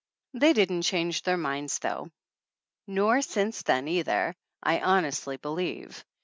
They didn't change their minds then, though, nor since then either, I honestly believe.